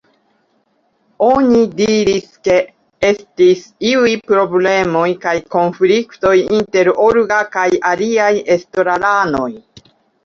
Oni diris ke estis iuj problemoj kaj konfliktoj inter Olga kaj aliaj estraranoj.